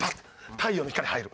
太陽の光入る。